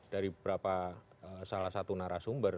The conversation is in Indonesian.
dari beberapa salah satu narasumber